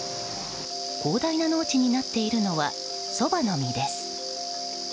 広大な農地になっているのはソバの実です。